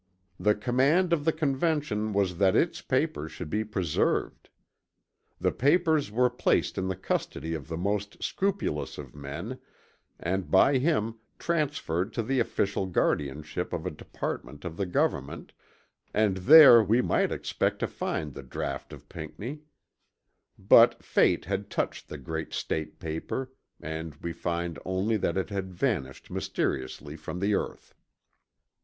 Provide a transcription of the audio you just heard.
The command of the Convention was that its papers should be preserved. The papers were placed in the custody of the most scrupulous of men and by him transferred to the official guardianship of a department of the Government, and there we might expect to find the draught of Pinckney; but fate had touched the great State paper, and we find only that it had vanished mysteriously from the earth.